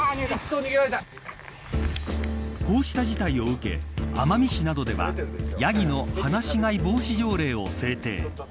こうした事態を受け奄美市などではヤギの放し飼い防止条例を制定。